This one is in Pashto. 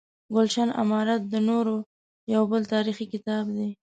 ګلشن امارت د نوري یو بل تاریخي کتاب دی.